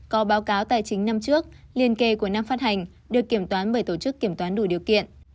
có báo cáo tài chính năm trước liên kề của năm phát hành được kiểm toán bởi tổ chức kiểm toán đủ điều kiện